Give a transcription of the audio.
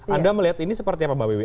anda melihat ini seperti apa mbak bewi